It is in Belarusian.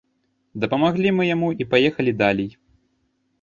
Дапамаглі мы яму і паехалі далей.